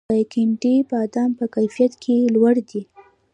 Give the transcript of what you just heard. د دایکنډي بادام په کیفیت کې لوړ دي